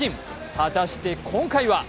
果たして今回は？